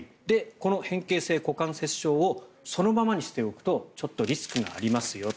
この変形性股関節症をそのままにしておくとちょっとリスクがありますよ。